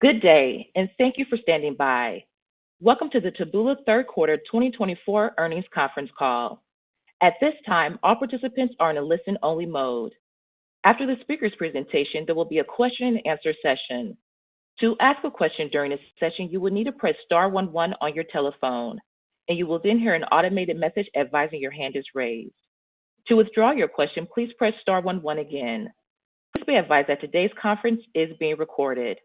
Good day, and thank you for standing by. Welcome to the Taboola.com 3rd Quarter 2024 earnings conference call. At this time, all participants are in a listen-only mode. After the speaker's presentation, there will be a question-and-answer session. To ask a question during this session, you will need to press star 11 on your telephone, and you will then hear an automated message advising your hand is raised. To withdraw your question, please press star 11 again. Please be advised that today's conference is being recorded.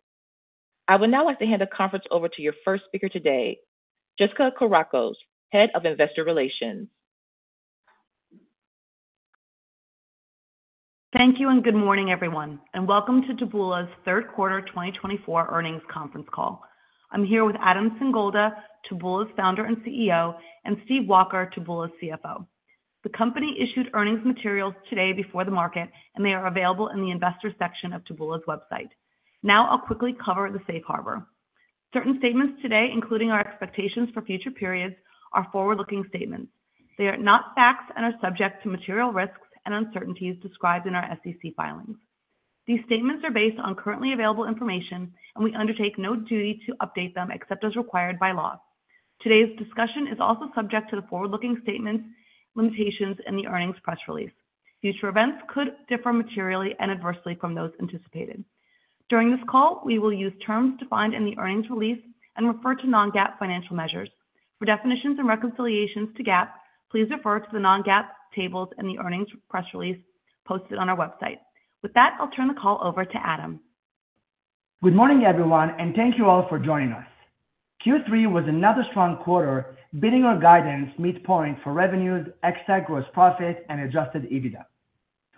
I would now like to hand the conference over to your first speaker today, Jessica Kourakos, Head of Investor Relations. Thank you, and good morning, everyone, and welcome to Taboola's Third Quarter 2024 earnings conference call. I'm here with Adam Singolda, Taboola.com's Founder and CEO, and Steve Walker, Taboola.com's CFO. The company issued earnings materials today before the market, and they are available in the investor section of Taboola.com's website. Now, I'll quickly cover the safe harbor. Certain statements today, including our expectations for future periods, are forward-looking statements. They are not facts and are subject to material risks and uncertainties described in our SEC filings. These statements are based on currently available information, and we undertake no duty to update them except as required by law. Today's discussion is also subject to the forward-looking statement limitations in the earnings press release. Future events could differ materially and adversely from those anticipated. During this call, we will use terms defined in the earnings release and refer to non-GAAP financial measures. For definitions and reconciliations to GAAP, please refer to the non-GAAP tables in the earnings press release posted on our website. With that, I'll turn the call over to Adam. Good morning, everyone, and thank you all for joining us. Q3 was another strong quarter, beating our guidance midpoint for revenues, Ex-TAC gross profit, and adjusted EBITDA.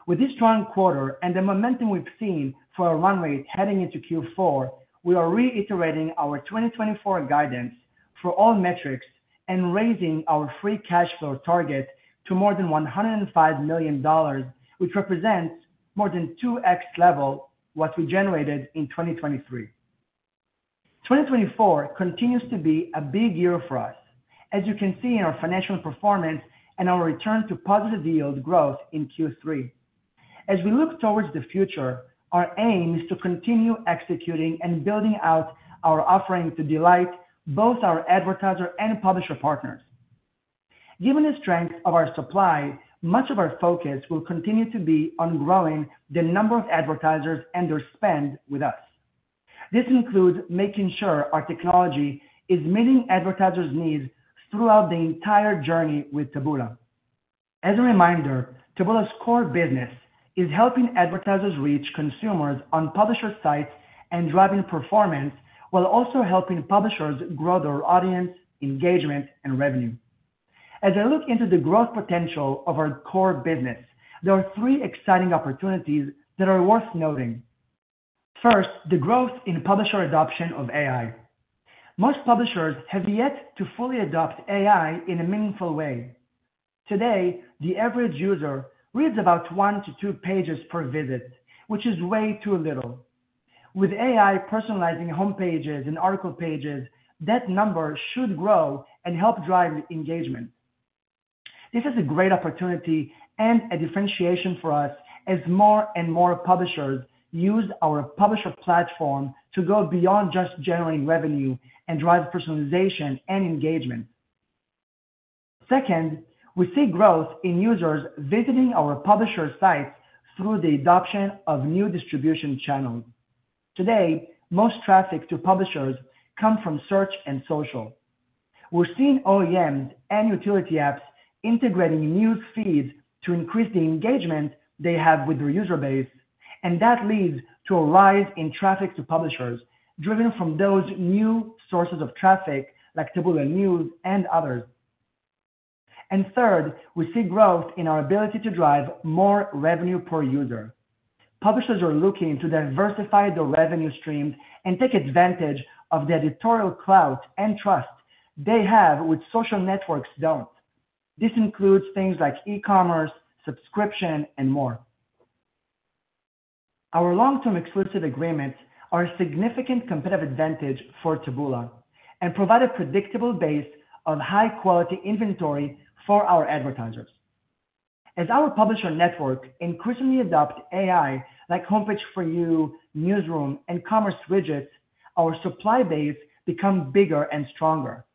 With this strong quarter and the momentum we've seen for our run rate heading into Q4, we are reiterating our 2024 guidance for all metrics and raising our free cash flow target to more than $105 million, which represents more than 2x level what we generated in 2023. 2024 continues to be a big year for us, as you can see in our financial performance and our return to positive yield growth in Q3. As we look towards the future, our aim is to continue executing and building out our offering to delight both our advertiser and publisher partners. Given the strength of our supply, much of our focus will continue to be on growing the number of advertisers and their spend with us. This includes making sure our technology is meeting advertisers' needs throughout the entire journey with Taboola. As a reminder, Taboola's core business is helping advertisers reach consumers on publisher sites and driving performance while also helping publishers grow their audience, engagement, and revenue. As I look into the growth potential of our core business, there are three exciting opportunities that are worth noting. First, the growth in publisher adoption of AI. Most publishers have yet to fully adopt AI in a meaningful way. Today, the average user reads about one to two pages per visit, which is way too little. With AI personalizing homepages and article pages, that number should grow and help drive engagement. This is a great opportunity and a differentiation for us as more and more publishers use our publisher platform to go beyond just generating revenue and drive personalization and engagement. Second, we see growth in users visiting our publisher sites through the adoption of new distribution channels. Today, most traffic to publishers comes from search and social. We're seeing OEMs and utility apps integrating news feeds to increase the engagement they have with their user base, and that leads to a rise in traffic to publishers driven from those new sources of traffic like Taboola News and others. Third, we see growth in our ability to drive more revenue per user. Publishers are looking to diversify their revenue streams and take advantage of the editorial clout and trust they have that social networks don't. This includes things like e-commerce, subscription, and more. Our long-term exclusive agreements are a significant competitive advantage for Taboola and provide a predictable base of high-quality inventory for our advertisers. As our publisher network increasingly adopts AI like Homepage For You, Newsroom, and Commerce widgets, our supply base becomes bigger and stronger.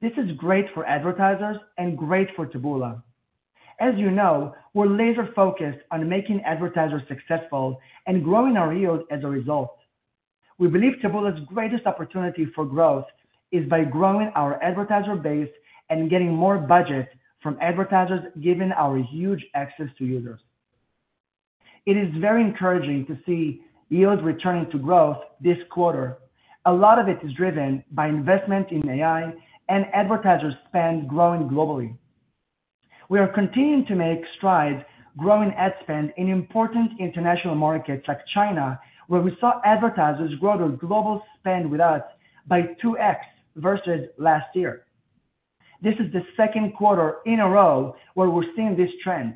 This is great for advertisers and great for Taboola. As you know, we're laser-focused on making advertisers successful and growing our yield as a result. We believe Taboola's greatest opportunity for growth is by growing our advertiser base and getting more budget from advertisers given our huge access to users. It is very encouraging to see yields returning to growth this quarter. A lot of it is driven by investment in AI and advertiser spend growing globally. We are continuing to make strides growing ad spend in important international markets like China, where we saw advertisers grow their global spend with us by 2x versus last year. This is the second quarter in a row where we're seeing this trend.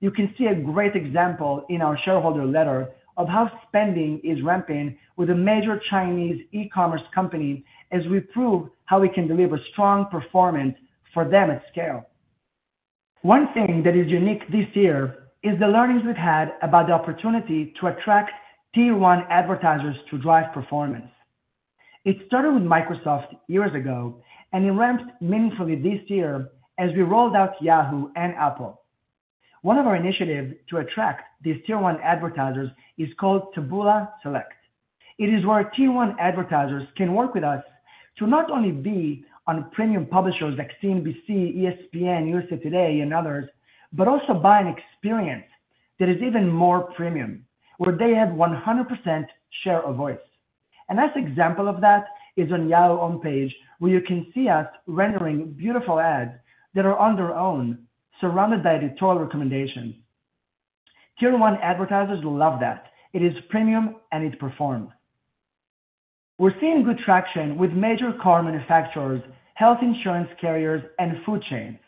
You can see a great example in our shareholder letter of how spending is ramping with a major Chinese e-commerce company as we prove how we can deliver strong performance for them at scale. One thing that is unique this year is the learnings we've had about the opportunity to attract Tier 1 advertisers to drive performance. It started with Microsoft years ago, and it ramped meaningfully this year as we rolled out Yahoo and Apple. One of our initiatives to attract these Tier 1 advertisers is called Taboola Select. It is where Tier 1 advertisers can work with us to not only be on premium publishers like CNBC, ESPN, USA TODAY, and others, but also buy an experience that is even more premium, where they have 100% share of voice. A nice example of that is on Yahoo! Homepage, where you can see us rendering beautiful ads that are on their own, surrounded by editorial recommendations. Tier-one advertisers love that. It is premium, and it performs. We're seeing good traction with major car manufacturers, health insurance carriers, and food chains.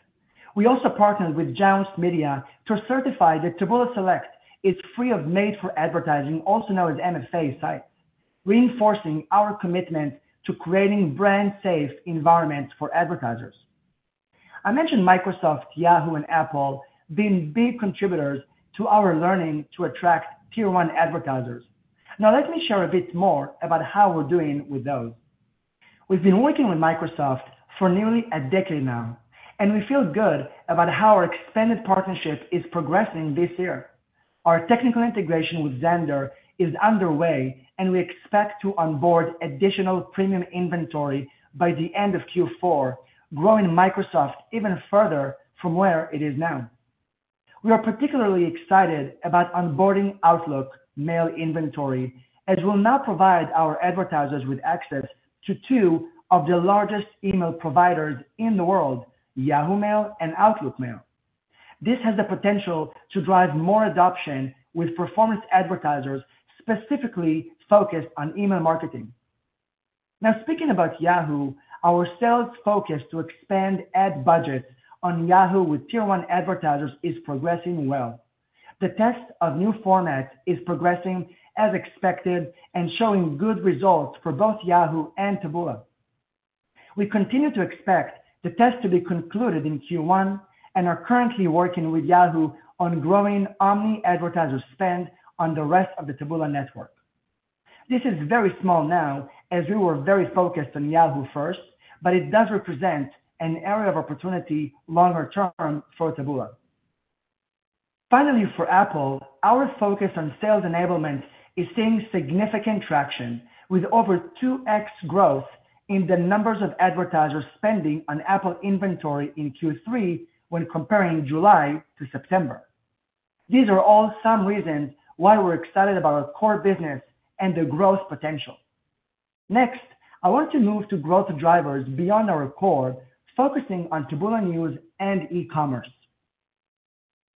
We also partnered with Jounce Media to certify that Taboola Select is free of Made For Advertising, also known as MFA, sites, reinforcing our commitment to creating brand-safe environments for advertisers. I mentioned Microsoft, Yahoo, and Apple being big contributors to our learning to attract Tier 1 advertisers. Now, let me share a bit more about how we're doing with those. We've been working with Microsoft for nearly a decade now, and we feel good about how our expanded partnership is progressing this year. Our technical integration with Xandr is underway, and we expect to onboard additional premium inventory by the end of Q4, growing Microsoft even further from where it is now. We are particularly excited about onboarding Outlook Mail inventory, as we'll now provide our advertisers with access to two of the largest email providers in the world, Yahoo Mail and Outlook Mail. This has the potential to drive more adoption with performance advertisers specifically focused on email marketing. Now, speaking about Yahoo, our sales focus to expand ad budgets on Yahoo with Tier 1 advertisers is progressing well. The test of new formats is progressing as expected and showing good results for both Yahoo and Taboola. We continue to expect the test to be concluded in Q1 and are currently working with Yahoo on growing omni-advertiser spend on the rest of the Taboola network. This is very small now, as we were very focused on Yahoo first, but it does represent an area of opportunity longer term for Taboola. Finally, for Apple, our focus on sales enablement is seeing significant traction, with over 2x growth in the numbers of advertisers spending on Apple inventory in Q3 when comparing July to September. These are all some reasons why we're excited about our core business and the growth potential. Next, I want to move to growth drivers beyond our core, focusing on Taboola News and e-commerce.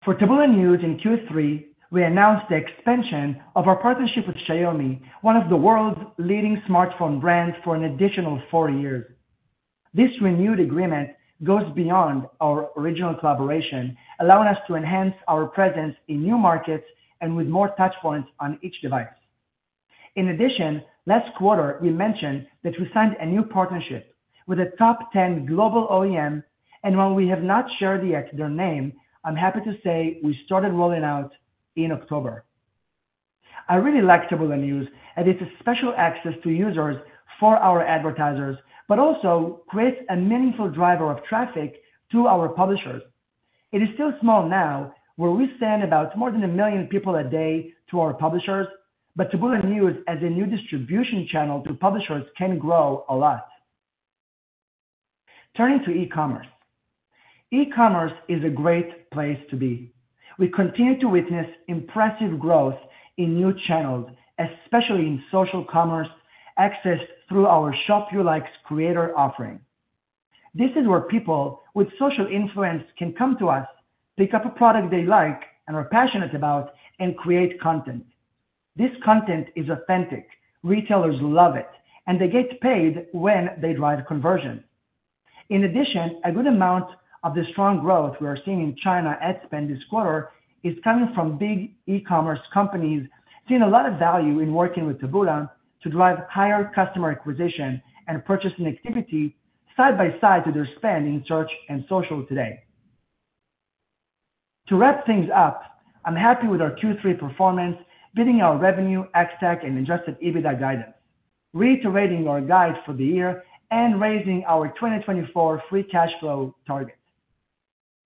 For Taboola News in Q3, we announced the expansion of our partnership with Xiaomi, one of the world's leading smartphone brands, for an additional four years. This renewed agreement goes beyond our original collaboration, allowing us to enhance our presence in new markets and with more touchpoints on each device. In addition, last quarter, we mentioned that we signed a new partnership with a top 10 global OEM, and while we have not shared yet their name, I'm happy to say we started rolling out in October. I really like Taboola News, as it's a special access to users for our advertisers, but also creates a meaningful driver of traffic to our publishers. It is still small now, where we send about more than a million people a day to our publishers, but Taboola News, as a new distribution channel to publishers, can grow a lot. Turning to e-commerce, e-commerce is a great place to be. We continue to witness impressive growth in new channels, especially in social commerce accessed through our ShopYourLikes creator offering. This is where people with social influence can come to us, pick up a product they like and are passionate about, and create content. This content is authentic. Retailers love it, and they get paid when they drive conversion. In addition, a good amount of the strong growth we are seeing in China ad spend this quarter is coming from big e-commerce companies seeing a lot of value in working with Taboola to drive higher customer acquisition and purchasing activity side by side to their spend in search and social today. To wrap things up, I'm happy with our Q3 performance, beating our revenue, Ex-TAC, and adjusted EBITDA guidance, reiterating our guide for the year and raising our 2024 free cash flow target.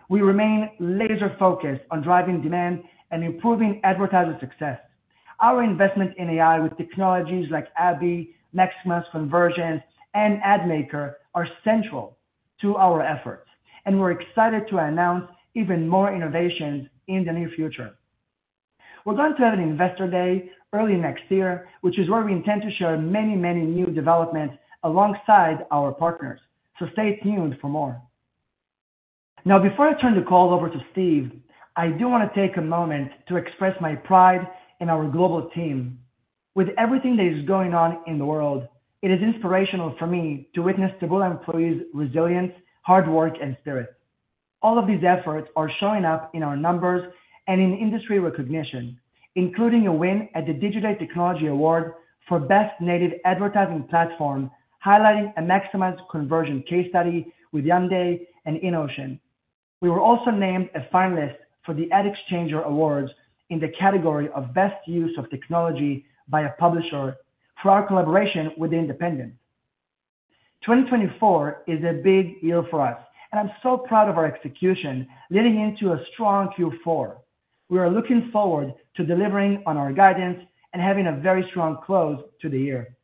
We remain laser-focused on driving demand and improving advertiser success. Our investment in AI with technologies like Abby, Maximize Conversions, and AdMaker are central to our efforts, and we're excited to announce even more innovations in the near future. We're going to have an Investor Day early next year, which is where we intend to share many, many new developments alongside our partners. So stay tuned for more. Now, before I turn the call over to Steve, I do want to take a moment to express my pride in our global team. With everything that is going on in the world, it is inspirational for me to witness Taboola employees' resilience, hard work, and spirit. All of these efforts are showing up in our numbers and in industry recognition, including a win at the Digiday Technology Awards for Best Native Advertising Platform, highlighting a Maximize Conversions case study with Hyundai and Innocean. We were also named a finalist for the AdExchanger Awards in the category of Best Use of Technology by a Publisher for our collaboration with The Independent. 2024 is a big year for us, and I'm so proud of our execution leading into a strong Q4. We are looking forward to delivering on our guidance and having a very strong close to the year.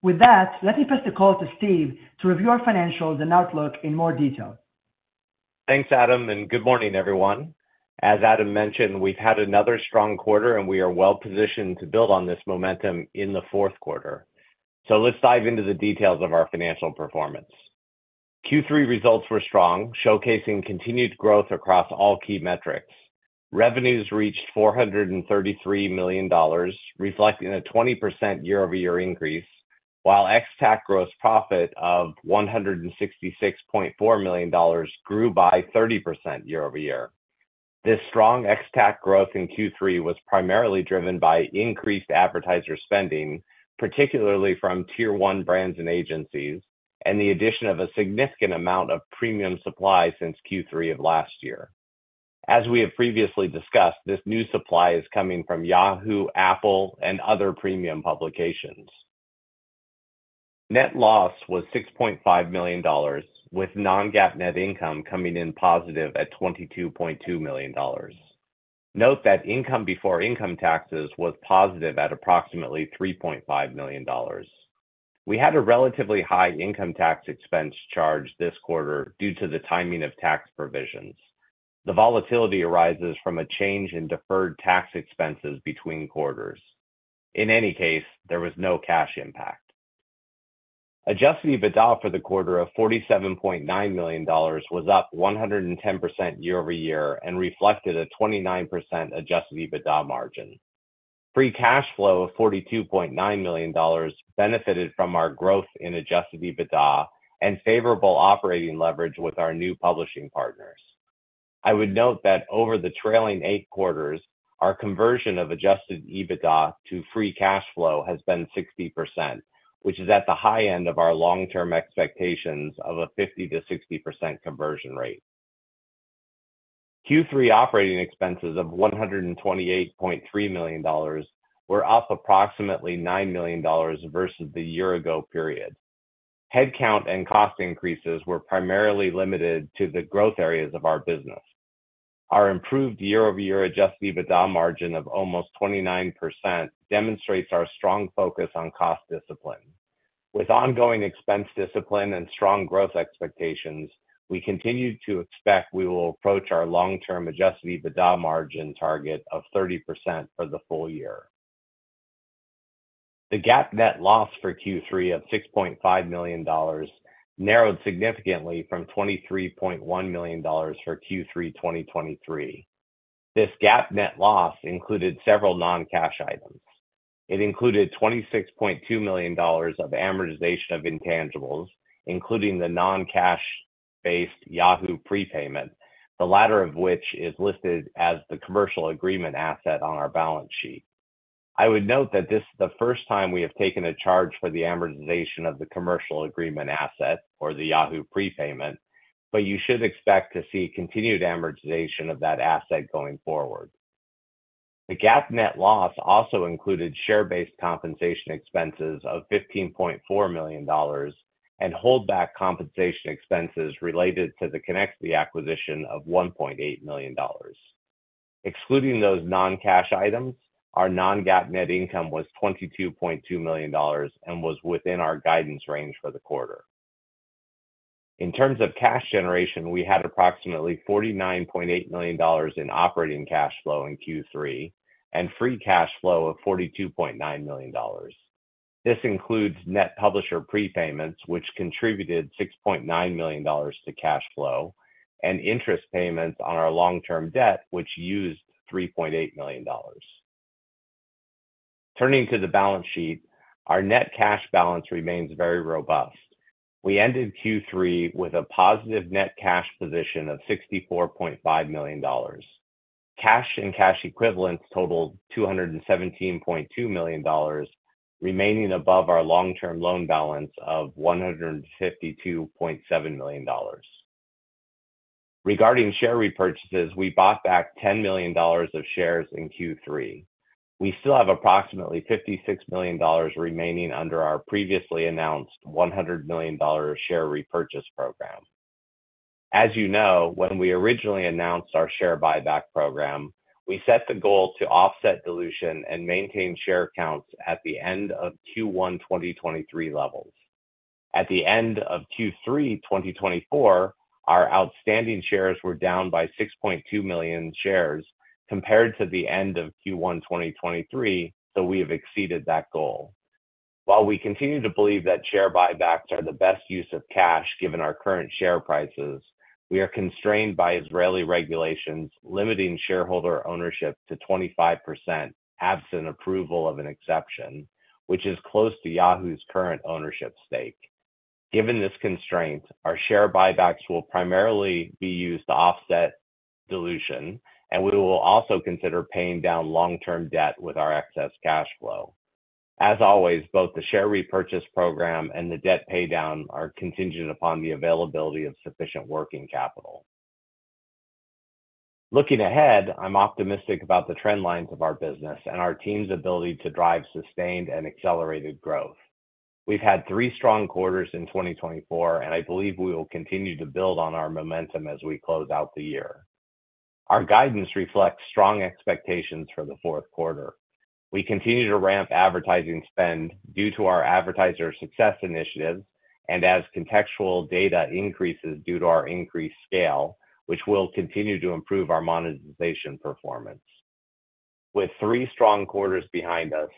With that, let me pass the call to Steve to review our financials and outlook in more detail. Thanks, Adam, and good morning, everyone. As Adam mentioned, we've had another strong quarter, and we are well positioned to build on this momentum in the fourth quarter. So let's dive into the details of our financial performance. Q3 results were strong, showcasing continued growth across all key metrics. Revenues reached $433 million, reflecting a 20% year-over-year increase, while Ex-TAC gross profit of $166.4 million grew by 30% year-over-year. This strong Ex-TAC growth in Q3 was primarily driven by increased advertiser spending, particularly from tier-one brands and agencies, and the addition of a significant amount of premium supply since Q3 of last year. As we have previously discussed, this new supply is coming from Yahoo, Apple, and other premium publications. Net loss was $6.5 million, with Non-GAAP net income coming in positive at $22.2 million. Note that income before income taxes was positive at approximately $3.5 million. We had a relatively high income tax expense charge this quarter due to the timing of tax provisions. The volatility arises from a change in deferred tax expenses between quarters. In any case, there was no cash impact. Adjusted EBITDA for the quarter of $47.9 million was up 110% year-over-year and reflected a 29% adjusted EBITDA margin. Free Cash Flow of $42.9 million benefited from our growth in Adjusted EBITDA and favorable operating leverage with our new publishing partners. I would note that over the trailing eight quarters, our conversion of Adjusted EBITDA to Free Cash Flow has been 60%, which is at the high end of our long-term expectations of a 50%-60% conversion rate. Q3 operating expenses of $128.3 million were up approximately $9 million versus the year-ago period. Headcount and cost increases were primarily limited to the growth areas of our business. Our improved year-over-year Adjusted EBITDA margin of almost 29% demonstrates our strong focus on cost discipline. With ongoing expense discipline and strong growth expectations, we continue to expect we will approach our long-term Adjusted EBITDA margin target of 30% for the full year. The GAAP net loss for Q3 of $6.5 million narrowed significantly from $23.1 million for Q3 2023. This GAAP net loss included several non-cash items. It included $26.2 million of amortization of intangibles, including the non-cash-based Yahoo prepayment, the latter of which is listed as the commercial agreement asset on our balance sheet. I would note that this is the first time we have taken a charge for the amortization of the commercial agreement asset, or the Yahoo prepayment, but you should expect to see continued amortization of that asset going forward. The GAAP net loss also included share-based compensation expenses of $15.4 million and holdback compensation expenses related to the Connexity acquisition of $1.8 million. Excluding those non-cash items, our non-GAAP net income was $22.2 million and was within our guidance range for the quarter. In terms of cash generation, we had approximately $49.8 million in operating cash flow in Q3 and free cash flow of $42.9 million. This includes net publisher prepayments, which contributed $6.9 million to cash flow, and interest payments on our long-term debt, which used $3.8 million. Turning to the balance sheet, our net cash balance remains very robust. We ended Q3 with a positive net cash position of $64.5 million. Cash and cash equivalents totaled $217.2 million, remaining above our long-term loan balance of $152.7 million. Regarding share repurchases, we bought back $10 million of shares in Q3. We still have approximately $56 million remaining under our previously announced $100 million share repurchase program. As you know, when we originally announced our share buyback program, we set the goal to offset dilution and maintain share counts at the end of Q1 2023 levels. At the end of Q3 2024, our outstanding shares were down by 6.2 million shares compared to the end of Q1 2023, so we have exceeded that goal. While we continue to believe that share buybacks are the best use of cash given our current share prices, we are constrained by Israeli regulations limiting shareholder ownership to 25% absent approval of an exception, which is close to Yahoo's current ownership stake. Given this constraint, our share buybacks will primarily be used to offset dilution, and we will also consider paying down long-term debt with our excess cash flow. As always, both the share repurchase program and the debt paydown are contingent upon the availability of sufficient working capital. Looking ahead, I'm optimistic about the trend lines of our business and our team's ability to drive sustained and accelerated growth. We've had three strong quarters in 2024, and I believe we will continue to build on our momentum as we close out the year. Our guidance reflects strong expectations for the fourth quarter. We continue to ramp advertising spend due to our advertiser success initiatives and as contextual data increases due to our increased scale, which will continue to improve our monetization performance. With three strong quarters behind us,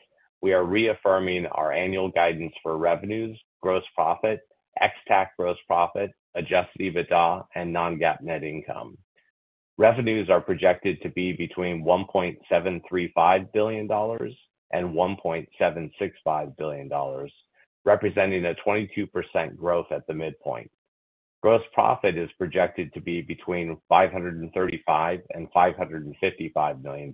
we are reaffirming our annual guidance for revenues, gross profit, Ex-TAC gross profit, Adjusted EBITDA, and Non-GAAP net income. Revenues are projected to be between $1.735 billion-$1.765 billion, representing a 22% growth at the midpoint. Gross profit is projected to be between $535 million-$555 million,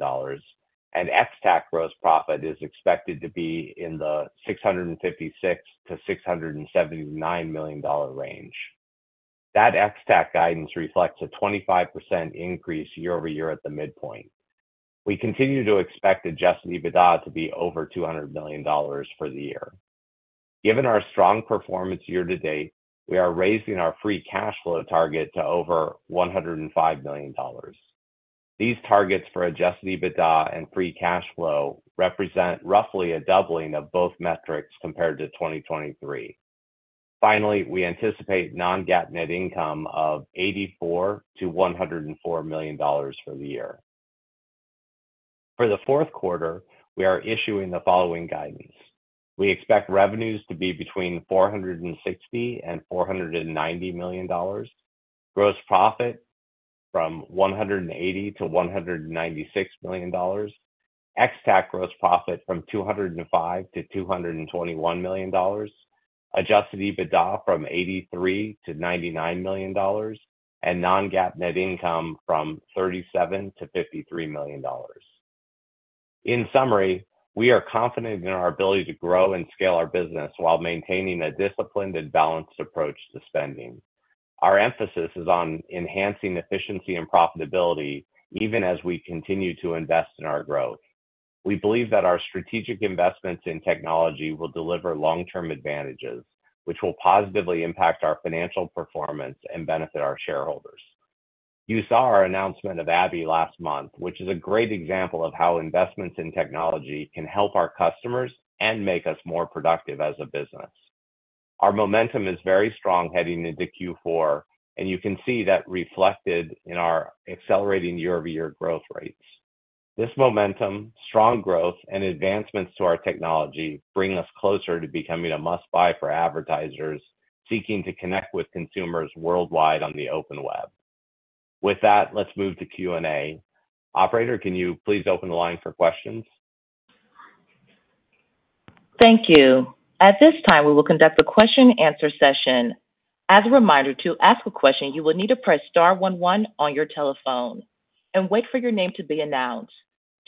and Ex-TAC gross profit is expected to be in the $656million-$679 million range. That Ex-TAC guidance reflects a 25% increase year-over-year at the midpoint. We continue to expect Adjusted EBITDA to be over $200 million for the year. Given our strong performance year-to-date, we are raising our free cash flow target to over $105 million. These targets for Adjusted EBITDA and Free Cash Flow represent roughly a doubling of both metrics compared to 2023. Finally, we anticipate Non-GAAP net income of $84million-$104 million for the year. For the fourth quarter, we are issuing the following guidance. We expect revenues to be between $460million-$490 million, gross profit from $180million-$196 million, Ex-TAC gross profit from $205million-$221 million, Adjusted EBITDA from $83million-$99 million, and Non-GAAP net income from $37million-$53 million. In summary, we are confident in our ability to grow and scale our business while maintaining a disciplined and balanced approach to spending. Our emphasis is on enhancing efficiency and profitability even as we continue to invest in our growth. We believe that our strategic investments in technology will deliver long-term advantages, which will positively impact our financial performance and benefit our shareholders. You saw our announcement of Abby last month, which is a great example of how investments in technology can help our customers and make us more productive as a business. Our momentum is very strong heading into Q4, and you can see that reflected in our accelerating year-over-year growth rates. This momentum, strong growth, and advancements to our technology bring us closer to becoming a must-buy for advertisers seeking to connect with consumers worldwide on the open web. With that, let's move to Q&A. Operator, can you please open the line for questions? Thank you. At this time, we will conduct the question-and-answer session. As a reminder, to ask a question, you will need to press star 11 on your telephone and wait for your name to be announced.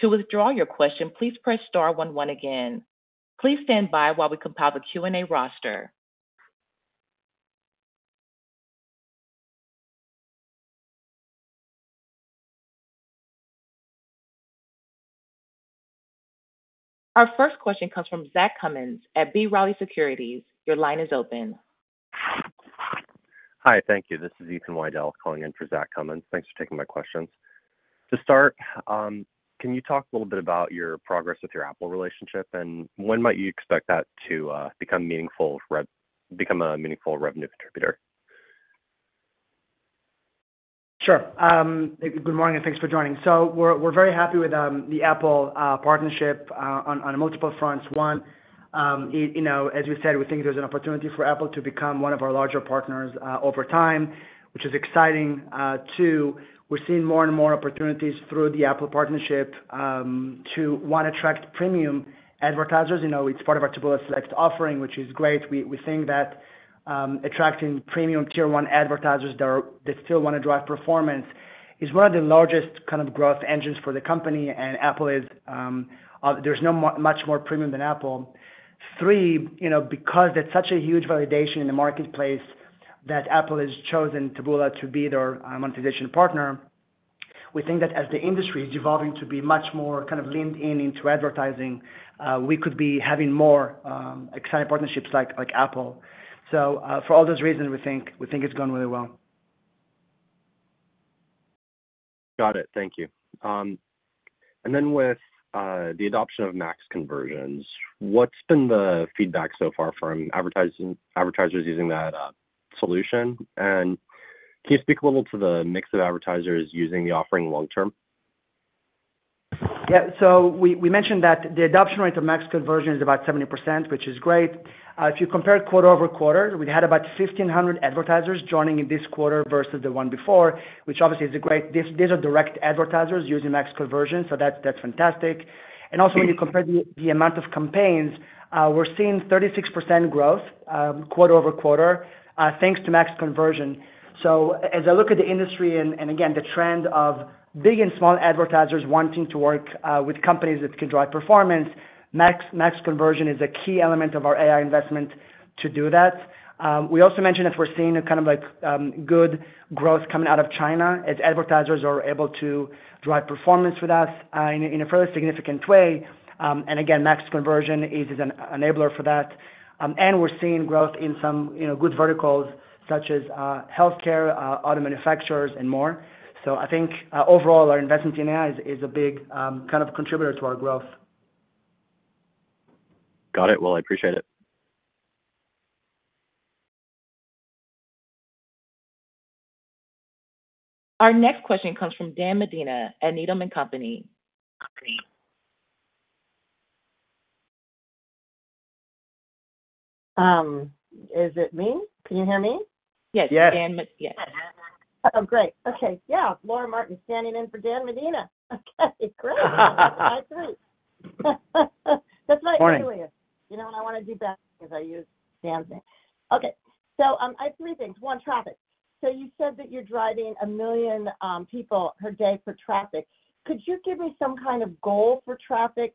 To withdraw your question, please press star 11 again. Please stand by while we compile the Q&A roster. Our first question comes from Zach Cummins at B. Riley Securities. Your line is open. Hi, thank you. This is Ethan Widell calling in for Zach Cummins. Thanks for taking my questions. To start, can you talk a little bit about your progress with your Apple relationship, and when might you expect that to become a meaningful revenue contributor? Sure. Good morning and thanks for joining. So we're very happy with the Apple partnership on multiple fronts. One, as we said, we think there's an opportunity for Apple to become one of our larger partners over time, which is exciting. Two, we're seeing more and more opportunities through the Apple partnership to want to attract premium advertisers. It's part of our Taboola Select offering, which is great. We think that attracting premium Tier 1 advertisers that still want to drive performance is one of the largest kind of growth engines for the company, and there's no much more premium than Apple. Three, because there's such a huge validation in the marketplace that Apple has chosen Taboola to be their monetization partner, we think that as the industry is evolving to be much more kind of leaned in into advertising, we could be having more exciting partnerships like Apple. So for all those reasons, we think it's going really well. Got it. Thank you. And then with the adoption of Max Conversions, what's been the feedback so far from advertisers using that solution? And can you speak a little to the mix of advertisers using the offering long-term? Yeah. So we mentioned that the adoption rate of Max Conversion is about 70%, which is great. If you compare quarter over quarter, we had about 1,500 advertisers joining in this quarter versus the one before, which obviously is a great. These are direct advertisers using Max Conversions, so that's fantastic. And also, when you compare the amount of campaigns, we're seeing 36% growth quarter over quarter thanks to Max Conversions. So as I look at the industry and, again, the trend of big and small advertisers wanting to work with companies that can drive performance, Max Conversions is a key element of our AI investment to do that. We also mentioned that we're seeing kind of good growth coming out of China as advertisers are able to drive performance with us in a fairly significant way. And again, Max Conversions is an enabler for that. And we're seeing growth in some good verticals such as healthcare, auto manufacturers, and more. So I think overall, our investment in AI is a big kind of contributor to our growth. Got it. Well, I appreciate it. Our next question comes from Dan Medina at Needham & Company. Is it me? Can you hear me? Yes. Yes. Oh, great. Okay. Yeah. Laura Martin standing in for Dan Medina. Okay. Great. That's right. Good morning. You know what I want to do best is I use Dan's name. Okay. So I have three things. One, traffic. So you said that you're driving a million people per day for traffic. Could you give me some kind of goal for traffic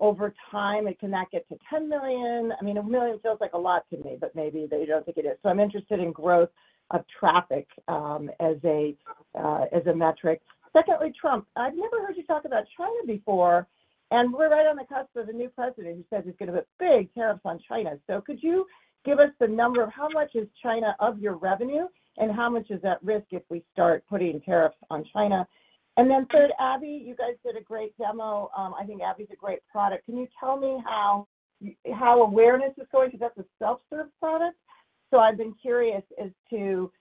over time? It cannot get to 10 million. I mean, a million feels like a lot to me, but maybe they don't think it is. So I'm interested in growth of traffic as a metric. Secondly, Trump. I've never heard you talk about China before, and we're right on the cusp of a new president who says he's going to put big tariffs on China. So could you give us the number of how much is China of your revenue, and how much is at risk if we start putting tariffs on China? And then third, Abby, you guys did a great demo. I think Abby's a great product. Can you tell me how awareness is going? Because that's a self-serve product. So I've been curious as to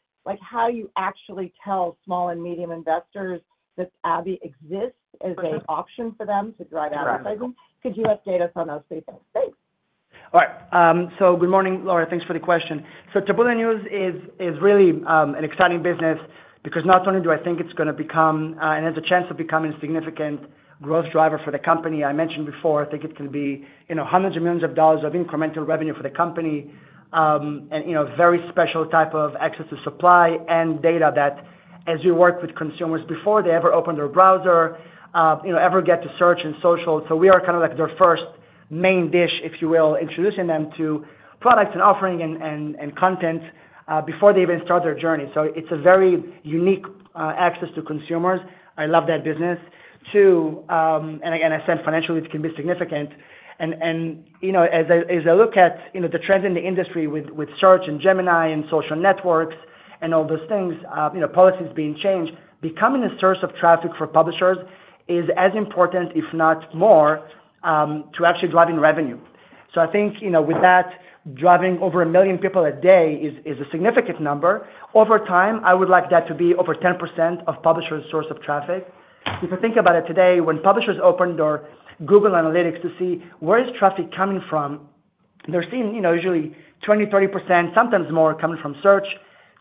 how you actually tell small and medium investors that Abby exists as an option for them to drive advertising. Could you update us on those three things? Thanks. All right. So good morning, Laura. Thanks for the question. So Taboola News is really an exciting business because not only do I think it's going to become and has a chance of becoming a significant growth driver for the company. I mentioned before, I think it can be hundreds of millions of dollars of incremental revenue for the company and a very special type of access to supply and data that, as we work with consumers before they ever open their browser, ever get to search in social. So we are kind of their first main dish, if you will, introducing them to products and offering and content before they even start their journey. So it's a very unique access to consumers. I love that business. Too, and again, I said financial lead can be significant. As I look at the trends in the industry with search and Gemini and social networks and all those things, policies being changed, becoming a source of traffic for publishers is as important, if not more, to actually driving revenue. So I think with that, driving over a million people a day is a significant number. Over time, I would like that to be over 10% of publishers' source of traffic. If you think about it today, when publishers open their Google Analytics to see where is traffic coming from, they're seeing usually 20%-30%, sometimes more coming from search,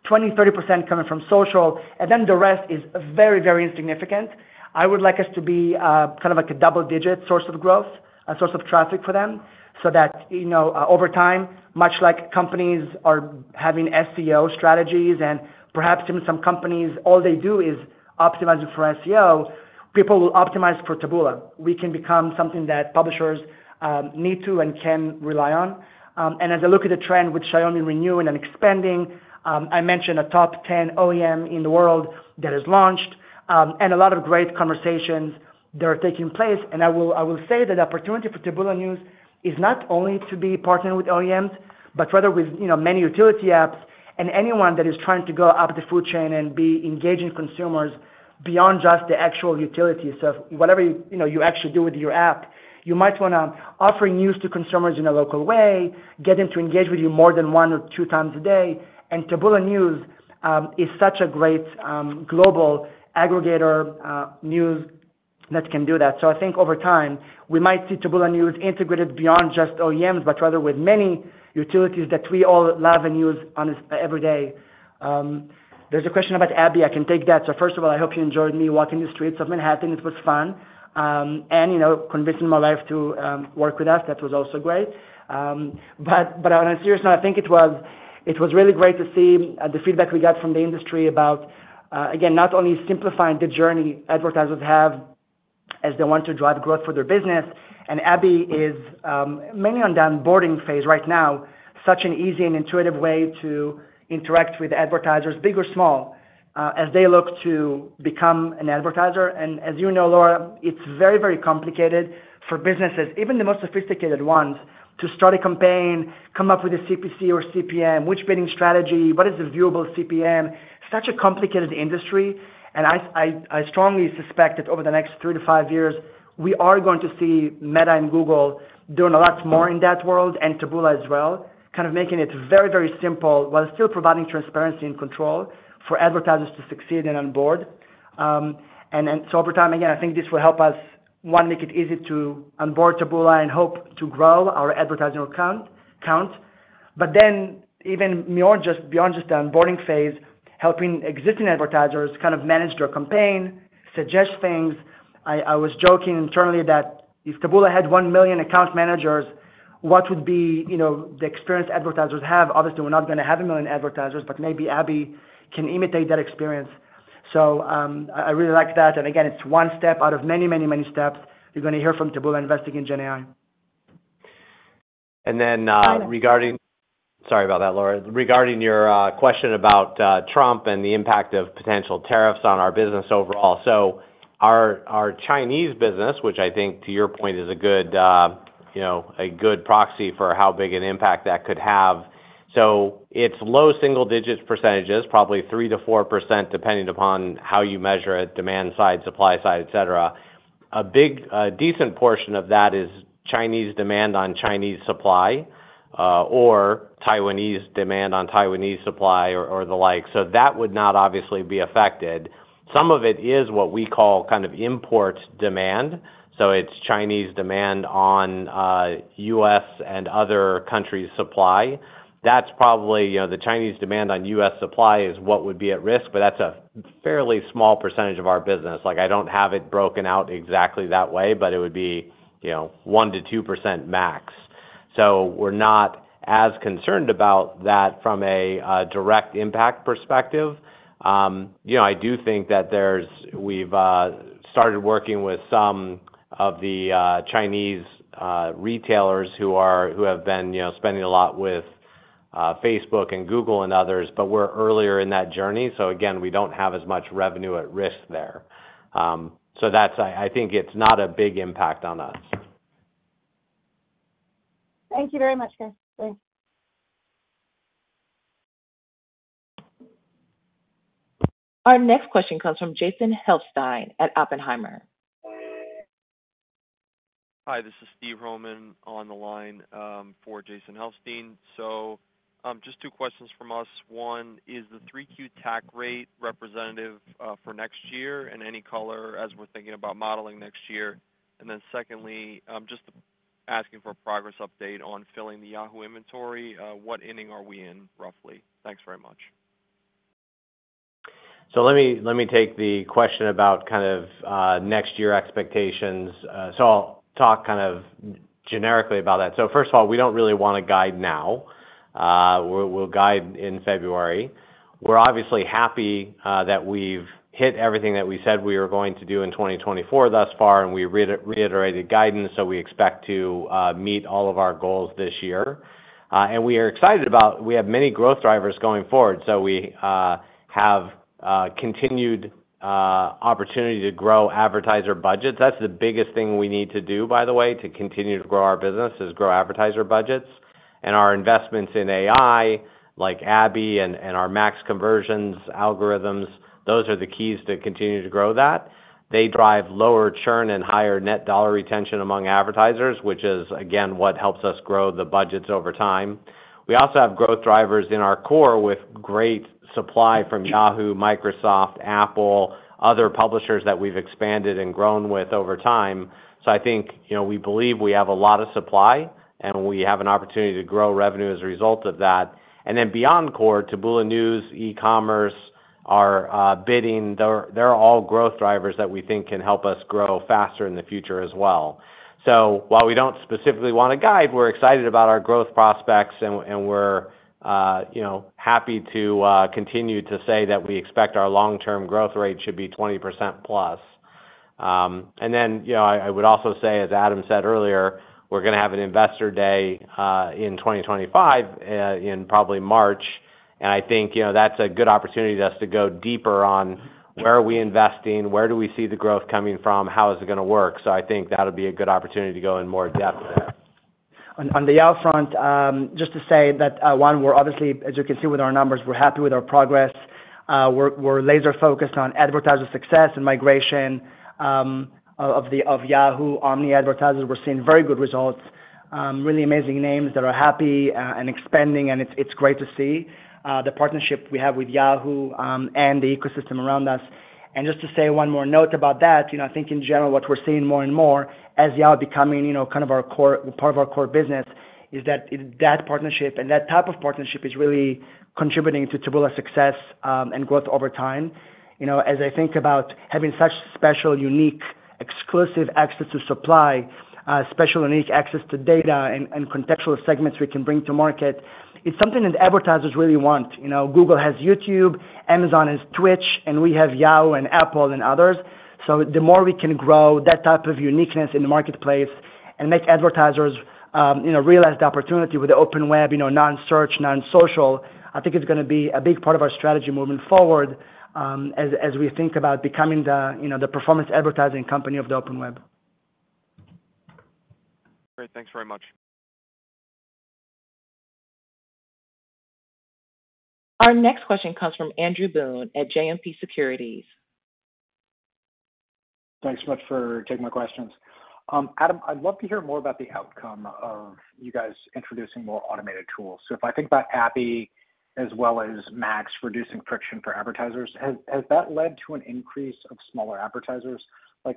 20%-30% coming from social, and then the rest is very, very insignificant. I would like us to be kind of a double-digit source of growth, a source of traffic for them so that over time, much like companies are having SEO strategies and perhaps even some companies, all they do is optimize for SEO, people will optimize for Taboola. We can become something that publishers need to and can rely on, and as I look at the trend with Xiaomi renewal and expanding, I mentioned a top 10 OEM in the world that has launched and a lot of great conversations that are taking place, and I will say that the opportunity for Taboola News is not only to be partnering with OEMs, but rather with many utility apps and anyone that is trying to go up the food chain and be engaging consumers beyond just the actual utilities of whatever you actually do with your app. You might want to offer news to consumers in a local way, get them to engage with you more than one or two times a day. And Taboola News is such a great global aggregator news that can do that. So I think over time, we might see Taboola News integrated beyond just OEMs, but rather with many utilities that we all love and use every day. There's a question about Abby. I can take that. So first of all, I hope you enjoyed me walking the streets of Manhattan. It was fun. And convincing my wife to work with us, that was also great. But on a serious note, I think it was really great to see the feedback we got from the industry about, again, not only simplifying the journey advertisers have as they want to drive growth for their business. And Abby is mainly on the onboarding phase right now, such an easy and intuitive way to interact with advertisers, big or small, as they look to become an advertiser. And as you know, Laura, it's very, very complicated for businesses, even the most sophisticated ones, to start a campaign, come up with a CPC or CPM, which bidding strategy, what is a viewable CPM. It's such a complicated industry. And I strongly suspect that over the next three to five years, we are going to see Meta and Google doing a lot more in that world and Taboola as well, kind of making it very, very simple while still providing transparency and control for advertisers to succeed and onboard. And so over time, again, I think this will help us, one, make it easy to onboard Taboola and hope to grow our advertising account. But then even beyond just the onboarding phase, helping existing advertisers kind of manage their campaign, suggest things. I was joking internally that if Taboola had one million account managers, what would be the experience advertisers have? Obviously, we're not going to have a million advertisers, but maybe Abby can imitate that experience. So I really like that. And again, it's one step out of many, many, many steps. You're going to hear from Taboola Investing and GenAI. And then regarding, sorry about that, Laura, regarding your question about Trump and the impact of potential tariffs on our business overall. So our Chinese business, which I think, to your point, is a good proxy for how big an impact that could have. So it's low single-digit %, probably 3%-4% depending upon how you measure it: demand side, supply side, etc. A decent portion of that is Chinese demand on Chinese supply or Taiwanese demand on Taiwanese supply or the like. So that would not obviously be affected. Some of it is what we call kind of import demand. So it's Chinese demand on U.S. and other countries' supply. That's probably the Chinese demand on U.S. supply is what would be at risk, but that's a fairly small percentage of our business. I don't have it broken out exactly that way, but it would be 1%-2% max. So we're not as concerned about that from a direct impact perspective. I do think that we've started working with some of the Chinese retailers who have been spending a lot with Facebook and Google and others, but we're earlier in that journey. So again, we don't have as much revenue at risk there. So I think it's not a big impact on us. Thank you very much, guys. Thanks. Our next question comes from Jason Helfstein at Oppenheimer. Hi, this is Steve Hromin on the line for Jason Helfstein. So just two questions from us. One, is the 3Q tax rate representative for next year and any color as we're thinking about modeling next year? And then secondly, just asking for a progress update on filling the Yahoo inventory. What ending are we in, roughly? Thanks very much. So let me take the question about kind of next year expectations. So I'll talk kind of generically about that. So first of all, we don't really want to guide now. We'll guide in February. We're obviously happy that we've hit everything that we said we were going to do in 2024 thus far, and we reiterated guidance, so we expect to meet all of our goals this year. We are excited about we have many growth drivers going forward, so we have continued opportunity to grow advertiser budgets. That's the biggest thing we need to do, by the way, to continue to grow our business is grow advertiser budgets. Our investments in AI, like Abby and our Max Conversions algorithms, those are the keys to continue to grow that. They drive lower churn and higher net dollar retention among advertisers, which is, again, what helps us grow the budgets over time. We also have growth drivers in our core with great supply from Yahoo, Microsoft, Apple, other publishers that we've expanded and grown with over time. So I think we believe we have a lot of supply, and we have an opportunity to grow revenue as a result of that. And then beyond core, Taboola News, e-commerce, our bidding, they're all growth drivers that we think can help us grow faster in the future as well. So while we don't specifically want to guide, we're excited about our growth prospects, and we're happy to continue to say that we expect our long-term growth rate should be 20% plus. And then I would also say, as Adam said earlier, we're going to have an investor day in 2025 in probably March. And I think that's a good opportunity for us to go deeper on where are we investing, where do we see the growth coming from, how is it going to work. So I think that would be a good opportunity to go in more depth there. On the Yahoo front, just to say that, one, we're obviously, as you can see with our numbers, we're happy with our progress. We're laser-focused on advertiser success and migration of Yahoo Omni advertisers. We're seeing very good results, really amazing names that are happy and expanding, and it's great to see the partnership we have with Yahoo and the ecosystem around us, and just to say one more note about that, I think in general, what we're seeing more and more as Yahoo becoming kind of part of our core business is that that partnership and that type of partnership is really contributing to Taboola's success and growth over time. As I think about having such special, unique, exclusive access to supply, special, unique access to data and contextual segments we can bring to market, it's something that advertisers really want. Google has YouTube, Amazon has Twitch, and we have Yahoo and Apple and others. So the more we can grow that type of uniqueness in the marketplace and make advertisers realize the opportunity with the open web, non-search, non-social, I think it's going to be a big part of our strategy moving forward as we think about becoming the performance advertising company of the open web. Great. Thanks very much. Our next question comes from Andrew Boone at JMP Securities. Thanks so much for taking my questions. Adam, I'd love to hear more about the outcome of you guys introducing more automated tools. So if I think about Abby as well as Max reducing friction for advertisers, has that led to an increase of smaller advertisers?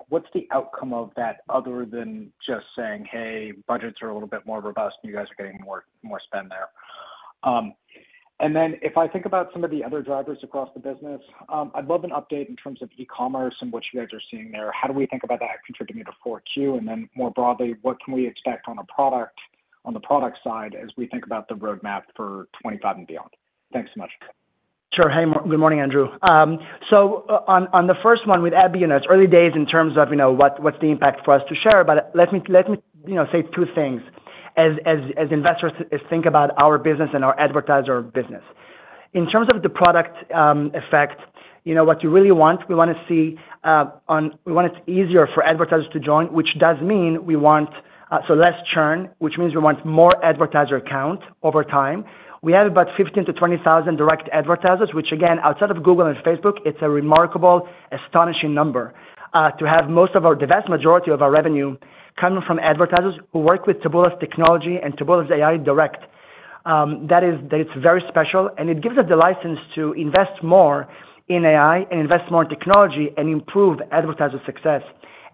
What's the outcome of that other than just saying, "Hey, budgets are a little bit more robust, and you guys are getting more spend there"? If I think about some of the other drivers across the business, I'd love an update in terms of e-commerce and what you guys are seeing there. How do we think about that contributing to 4Q? More broadly, what can we expect on the product side as we think about the roadmap for 2025 and beyond? Thanks so much. Sure. Hey, good morning, Andrew. On the first one with Abby, early days in terms of what's the impact for us to share, but let me say two things as investors think about our business and our advertiser business. In terms of the product effect, what you really want, we want it easier for advertisers to join, which does mean we want less churn, which means we want more advertiser accounts over time. We have about 15 thousand -20 thousand direct advertisers, which, again, outside of Google and Facebook, it's a remarkable, astonishing number to have most of our vast majority of our revenue coming from advertisers who work with Taboola's technology and Taboola's AI direct. That is very special, and it gives us the license to invest more in AI and invest more in technology and improve advertiser success.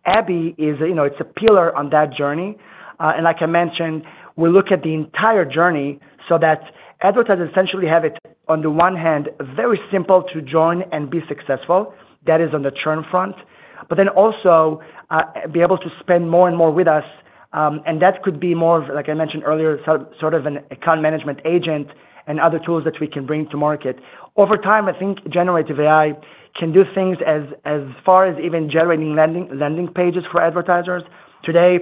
Abby is a pillar on that journey, and like I mentioned, we look at the entire journey so that advertisers essentially have it, on the one hand, very simple to join and be successful. That is on the churn front, but then also be able to spend more and more with us. And that could be more, like I mentioned earlier, sort of an account management agent and other tools that we can bring to market. Over time, I think generative AI can do things as far as even generating landing pages for advertisers. Today,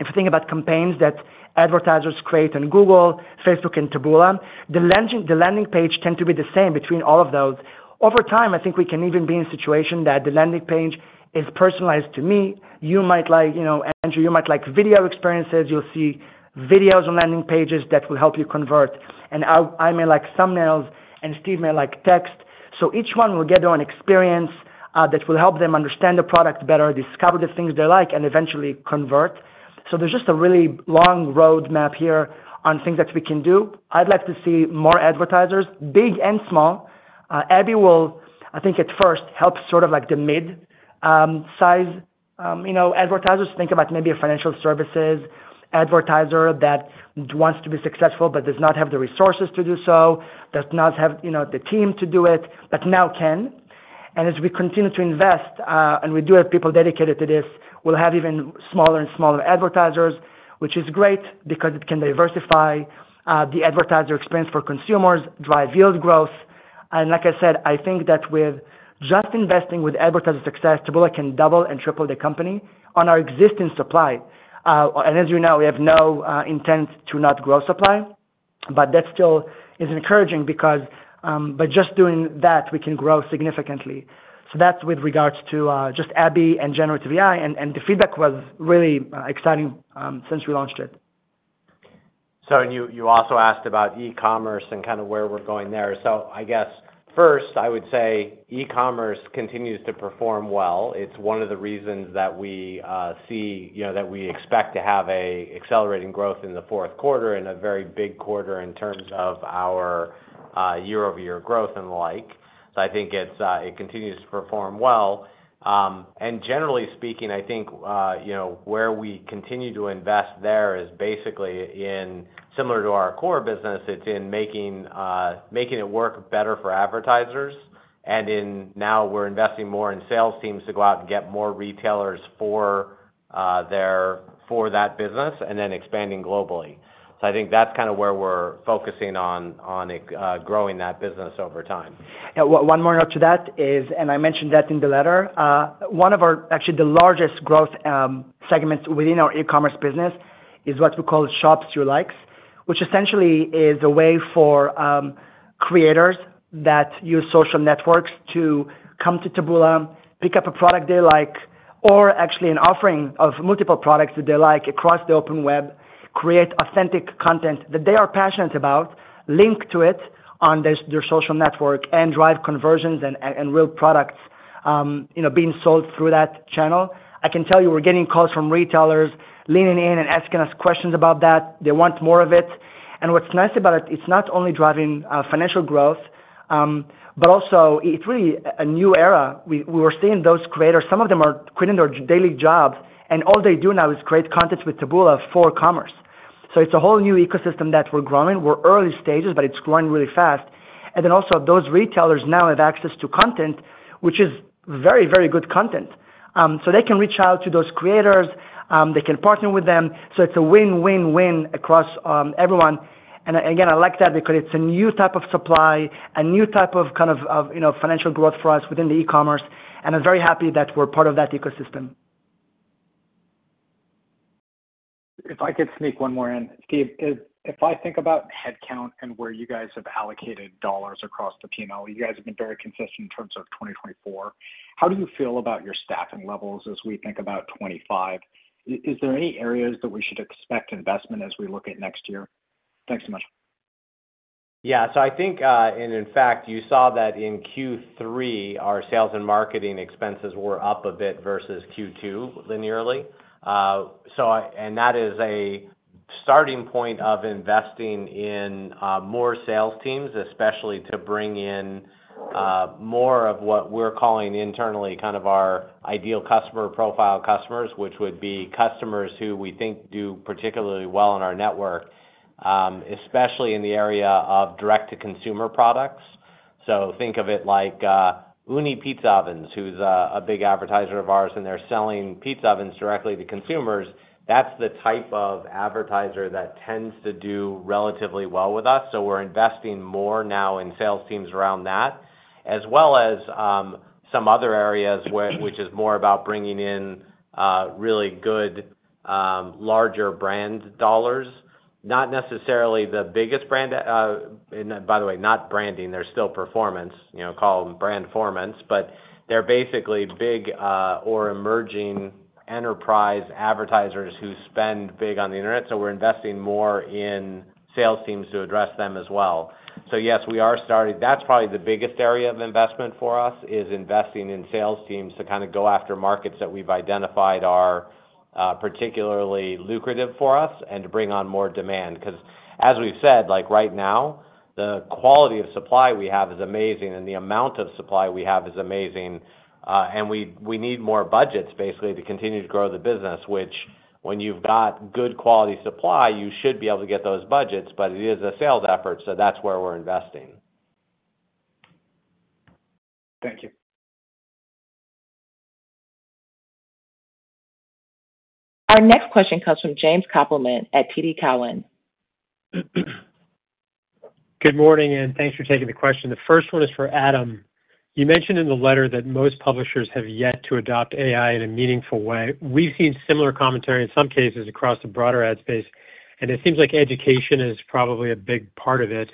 if you think about campaigns that advertisers create on Google, Facebook, and Taboola, the landing page tends to be the same between all of those. Over time, I think we can even be in a situation that the landing page is personalized to me. You might like, Andrew, you might like video experiences. You'll see videos on landing pages that will help you convert. And I may like thumbnails, and Steve may like text. Each one will get their own experience that will help them understand the product better, discover the things they like, and eventually convert. There's just a really long roadmap here on things that we can do. I'd like to see more advertisers, big and small. Abby will, I think at first, help sort of like the mid-size advertisers. Think about maybe a financial services advertiser that wants to be successful but does not have the resources to do so, does not have the team to do it, but now can. As we continue to invest, and we do have people dedicated to this, we'll have even smaller and smaller advertisers, which is great because it can diversify the advertiser experience for consumers, drive yield growth. And like I said, I think that with just investing with advertiser success, Taboola can double and triple the company on our existing supply. And as you know, we have no intent to not grow supply, but that still is encouraging because by just doing that, we can grow significantly. So that's with regards to just Abby and generative AI, and the feedback was really exciting since we launched it. So you also asked about e-commerce and kind of where we're going there. So I guess first, I would say e-commerce continues to perform well. It's one of the reasons that we see that we expect to have an accelerating growth in the fourth quarter and a very big quarter in terms of our year-over-year growth and the like. So I think it continues to perform well. And generally speaking, I think where we continue to invest there is basically similar to our core business. It's in making it work better for advertisers. And now we're investing more in sales teams to go out and get more retailers for that business and then expanding globally. So I think that's kind of where we're focusing on growing that business over time. One more note to that is, and I mentioned that in the letter, one of our actually the largest growth segments within our e-commerce business is what we call Shop Your Likes, which essentially is a way for creators that use social networks to come to Taboola, pick up a product they like, or actually an offering of multiple products that they like across the open web, create authentic content that they are passionate about, link to it on their social network, and drive conversions and real products being sold through that channel. I can tell you we're getting calls from retailers leaning in and asking us questions about that. They want more of it. And what's nice about it, it's not only driving financial growth, but also it's really a new era. We were seeing those creators, some of them are quitting their daily jobs, and all they do now is create content with Taboola for e-commerce. So it's a whole new ecosystem that we're growing. We're early stages, but it's growing really fast. And then also those retailers now have access to content, which is very, very good content. So they can reach out to those creators. They can partner with them. So it's a win-win-win across everyone. And again, I like that because it's a new type of supply, a new type of kind of financial growth for us within the e-commerce. And I'm very happy that we're part of that ecosystem. If I could sneak one more in, Steve, if I think about headcount and where you guys have allocated dollars across the P&L, you guys have been very consistent in terms of 2024. How do you feel about your staffing levels as we think about 2025? Is there any areas that we should expect investment as we look at next year? Thanks so much. Yeah. So I think, and in fact, you saw that in Q3, our sales and marketing expenses were up a bit versus Q2 linearly. And that is a starting point of investing in more sales teams, especially to bring in more of what we're calling internally kind of our ideal customer profile customers, which would be customers who we think do particularly well in our network, especially in the area of direct-to-consumer products. So think of it like Ooni Pizza Ovens, who's a big advertiser of ours, and they're selling pizza ovens directly to consumers. That's the type of advertiser that tends to do relatively well with us. So we're investing more now in sales teams around that, as well as some other areas, which is more about bringing in really good, larger brand dollars. Not necessarily the biggest brand, and by the way, not branding. There's still performance, called Brandformance, but they're basically big or emerging enterprise advertisers who spend big on the internet. So we're investing more in sales teams to address them as well. So yes, we are starting. That's probably the biggest area of investment for us is investing in sales teams to kind of go after markets that we've identified are particularly lucrative for us and to bring on more demand. Because as we've said, right now, the quality of supply we have is amazing, and the amount of supply we have is amazing. We need more budgets, basically, to continue to grow the business, which when you've got good quality supply, you should be able to get those budgets, but it is a sales effort. So that's where we're investing. Thank you. Our next question comes from James Kopelman at TD Cowen. Good morning, and thanks for taking the question. The first one is for Adam. You mentioned in the letter that most publishers have yet to adopt AI in a meaningful way. We've seen similar commentary in some cases across the broader ad space, and it seems like education is probably a big part of it.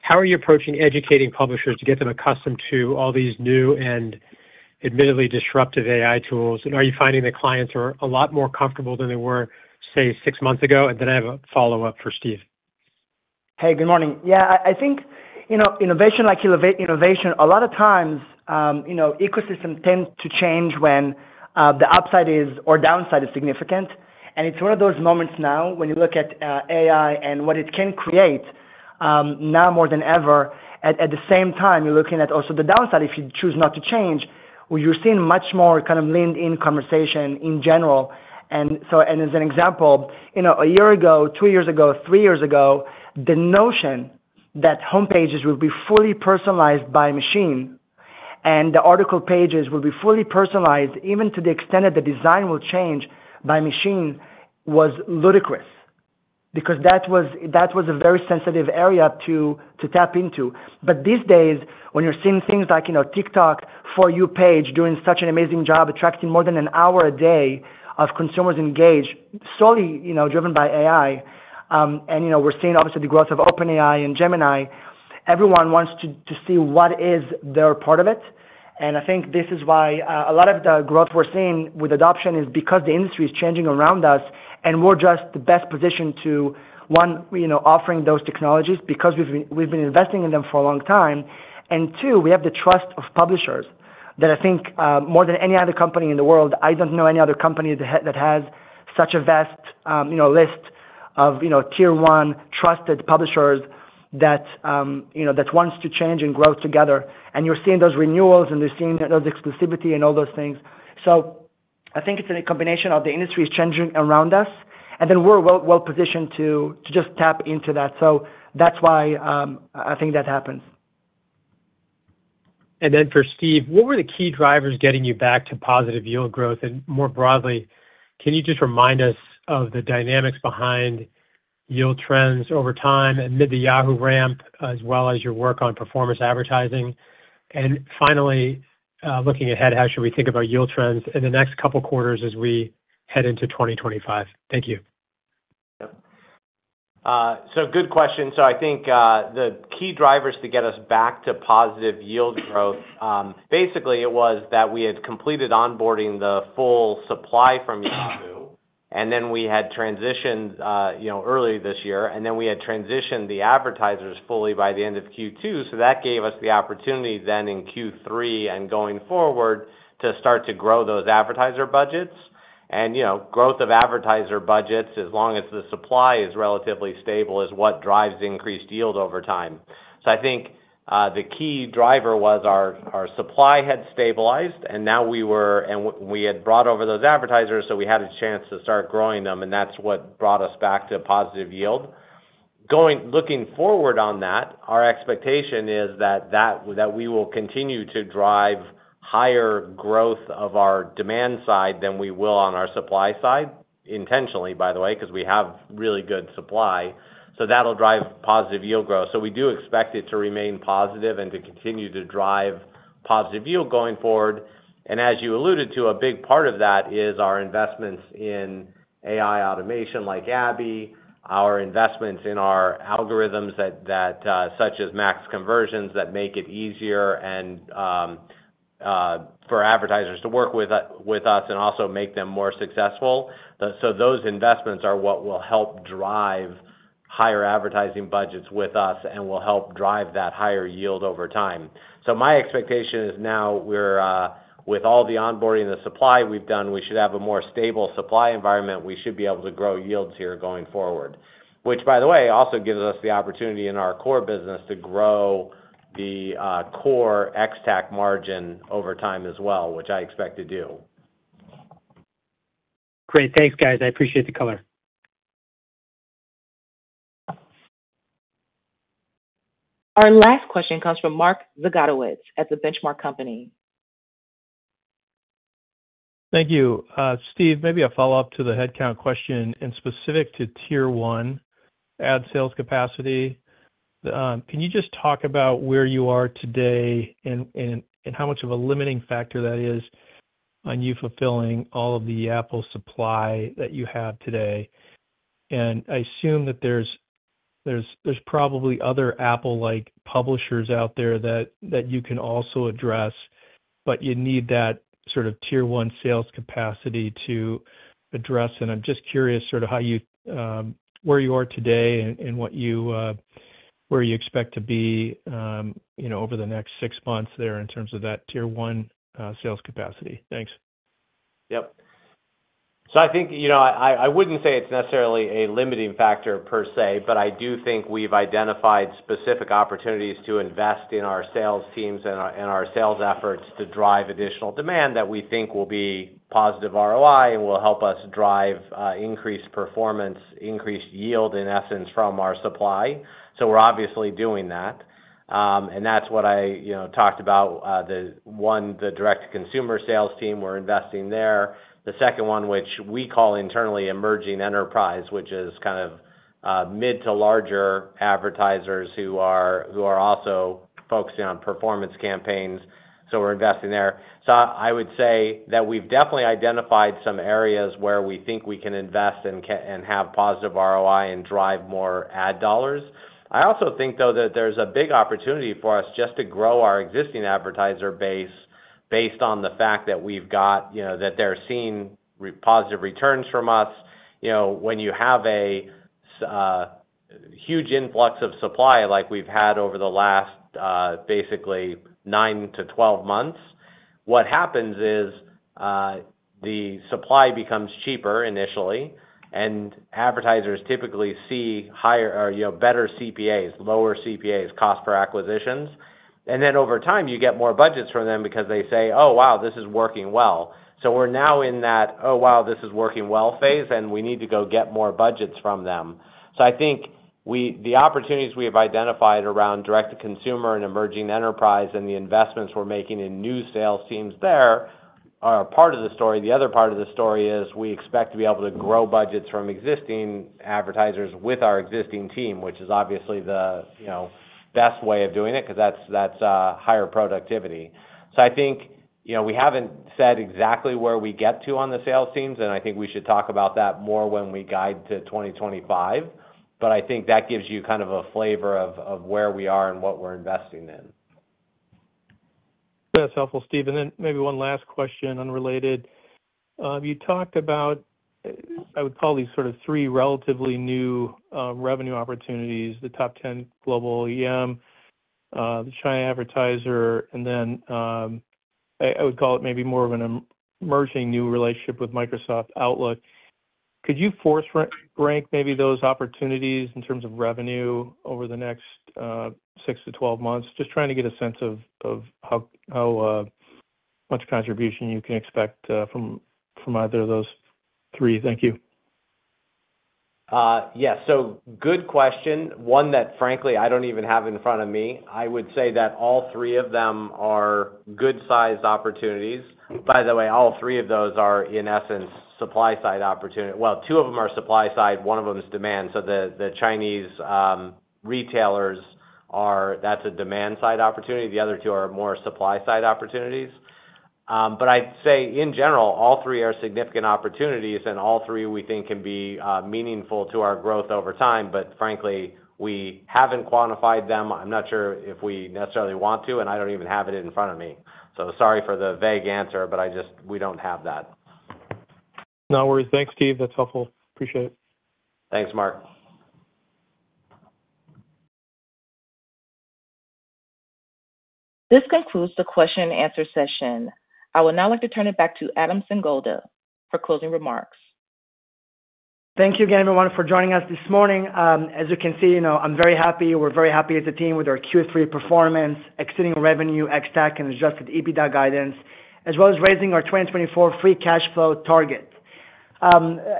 How are you approaching educating publishers to get them accustomed to all these new and admittedly disruptive AI tools? And are you finding that clients are a lot more comfortable than they were, say, six months ago? And then I have a follow-up for Steve. Hey, good morning. Yeah. I think, like, innovation, a lot of times ecosystems tend to change when the upside or downside is significant. And it's one of those moments now when you look at AI and what it can create now more than ever. At the same time, you're looking at also the downside if you choose not to change. You're seeing much more kind of leaned-in conversation in general. And as an example, a year ago, two years ago, three years ago, the notion that homepages would be fully personalized by machine and the article pages would be fully personalized, even to the extent that the design will change by machine, was ludicrous because that was a very sensitive area to tap into. But these days, when you're seeing things like TikTok's For You page doing such an amazing job, attracting more than an hour a day of consumers engaged, solely driven by AI, and we're seeing, obviously, the growth of OpenAI and Gemini, everyone wants to see what is their part of it. And I think this is why a lot of the growth we're seeing with adoption is because the industry is changing around us, and we're just the best position to, one, offering those technologies because we've been investing in them for a long time. And two, we have the trust of publishers that I think more than any other company in the world. I don't know any other company that has such a vast list of Tier 1 trusted publishers that wants to change and grow together. And you're seeing those renewals, and you're seeing those exclusivity and all those things. So I think it's a combination of the industry is changing around us, and then we're well-positioned to just tap into that. So that's why I think that happens. And then for Steve, what were the key drivers getting you back to positive yield growth? And more broadly, can you just remind us of the dynamics behind yield trends over time amid the Yahoo ramp, as well as your work on performance advertising? And finally, looking ahead, how should we think about yield trends in the next couple of quarters as we head into 2025? Thank you. So good question. So I think the key drivers to get us back to positive yield growth. Basically, it was that we had completed onboarding the full supply from Yahoo, and then we had transitioned earlier this year, and then we had transitioned the advertisers fully by the end of Q2. So that gave us the opportunity then in Q3 and going forward to start to grow those advertiser budgets. And growth of advertiser budgets, as long as the supply is relatively stable, is what drives increased yield over time. So I think the key driver was our supply had stabilized, and now we had brought over those advertisers, so we had a chance to start growing them, and that's what brought us back to positive yield. Looking forward on that, our expectation is that we will continue to drive higher growth of our demand side than we will on our supply side, intentionally, by the way, because we have really good supply. So that'll drive positive yield growth. So we do expect it to remain positive and to continue to drive positive yield going forward. And as you alluded to, a big part of that is our investments in AI automation like Abby, our investments in our algorithms such as Max Conversions that make it easier for advertisers to work with us and also make them more successful. So those investments are what will help drive higher advertising budgets with us and will help drive that higher yield over time. So my expectation is now, with all the onboarding and the supply we've done, we should have a more stable supply environment. We should be able to grow yields here going forward, which, by the way, also gives us the opportunity in our core business to grow the core Ex-TAC margin over time as well, which I expect to do. Great. Thanks, guys. I appreciate the color. Our last question comes from Mark Zgutowicz at The Benchmark Company. Thank you. Steve, maybe a follow-up to the headcount question and specific to Tier 1 ad sales capacity. Can you just talk about where you are today and how much of a limiting factor that is on you fulfilling all of the Yahoo supply that you have today? And I assume that there's probably other Apple-like publishers out there that you can also address, but you need that sort of Tier 1 sales capacity to address. And I'm just curious sort of where you are today and where you expect to be over the next six months there in terms of that Tier 1 sales capacity. Thanks. Yep. So I think I wouldn't say it's necessarily a limiting factor per se, but I do think we've identified specific opportunities to invest in our sales teams and our sales efforts to drive additional demand that we think will be positive ROI and will help us drive increased performance, increased yield, in essence, from our supply. So we're obviously doing that. And that's what I talked about. One, the direct-to-consumer sales team, we're investing there. The second one, which we call internally emerging enterprise, which is kind of mid to larger advertisers who are also focusing on performance campaigns. So we're investing there. So I would say that we've definitely identified some areas where we think we can invest and have positive ROI and drive more ad dollars. I also think, though, that there's a big opportunity for us just to grow our existing advertiser base based on the fact that we've got that they're seeing positive returns from us. When you have a huge influx of supply like we've had over the last basically 9-12 months, what happens is the supply becomes cheaper initially, and advertisers typically see better CPAs, lower CPAs, cost per acquisitions. And then over time, you get more budgets from them because they say, "Oh, wow, this is working well." So we're now in that, "Oh, wow, this is working well" phase, and we need to go get more budgets from them. So I think the opportunities we have identified around direct-to-consumer and emerging enterprise and the investments we're making in new sales teams there are part of the story. The other part of the story is we expect to be able to grow budgets from existing advertisers with our existing team, which is obviously the best way of doing it because that's higher productivity. So I think we haven't said exactly where we get to on the sales teams, and I think we should talk about that more when we guide to 2025. But I think that gives you kind of a flavor of where we are and what we're investing in. That's helpful, Steve. And then maybe one last question unrelated. You talked about, I would call these sort of three relatively new revenue opportunities, the top 10 global OEM, the China advertiser, and then I would call it maybe more of an emerging new relationship with Microsoft Outlook. Could you force rank maybe those opportunities in terms of revenue over the next 6-12 months? Just trying to get a sense of how much contribution you can expect from either of those three. Thank you. Yeah. So good question. One that, frankly, I don't even have in front of me. I would say that all three of them are good-sized opportunities. By the way, all three of those are, in essence, supply-side opportunity. Well, two of them are supply-side. One of them is demand. So the Chinese retailers, that's a demand-side opportunity. The other two are more supply-side opportunities. But I'd say, in general, all three are significant opportunities, and all three we think can be meaningful to our growth over time. But frankly, we haven't quantified them. I'm not sure if we necessarily want to, and I don't even have it in front of me. So sorry for the vague answer, but we don't have that. No worries. Thanks, Steve. That's helpful. Appreciate it. Thanks, Mark. This concludes the question-and-answer session. I would now like to turn it back to Adam Singolda for closing remarks. Thank you again, everyone, for joining us this morning. As you can see, I'm very happy. We're very happy as a team with our Q3 performance, exceeding revenue, Ex-TAC, and adjusted EBITDA guidance, as well as raising our 2024 free cash flow target.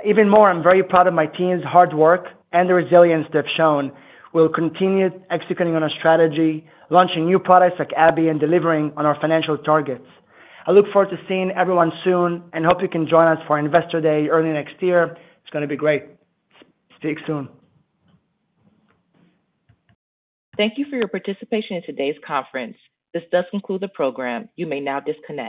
Even more, I'm very proud of my team's hard work and the resilience they've shown. We'll continue executing on our strategy, launching new products like Abby, and delivering on our financial targets. I look forward to seeing everyone soon and hope you can join us for Investor Day early next year. It's going to be great. Speak soon. Thank you for your participation in today's conference. This does conclude the program. You may now disconnect.